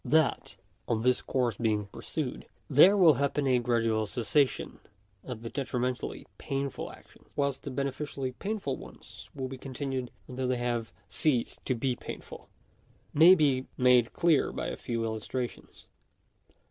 That, on this course being pursued, there will happen a gradual cessation of the detrimentally painful actions, whilst the beneficially painful ones will be continued until they have ceased to be painful, may be made clear by a few illustrations.